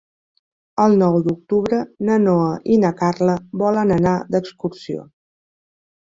El nou d'octubre na Noa i na Carla volen anar d'excursió.